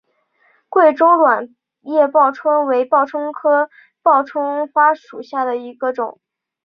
贵州卵叶报春为报春花科报春花属下的一个种。